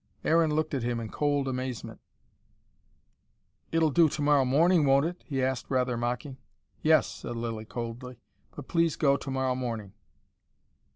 Aaron looked at him in cold amazement. "It'll do tomorrow morning, won't it?" he asked rather mocking. "Yes," said Lilly coldly. "But please go tomorrow morning."